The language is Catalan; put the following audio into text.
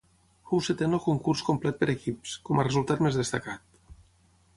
Fou setè en el concurs complet per equips, com a resultat més destacat.